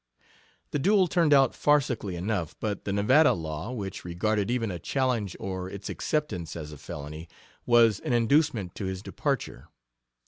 The duel turned out farcically enough, but the Nevada law, which regarded even a challenge or its acceptance as a felony, was an inducement to his departure.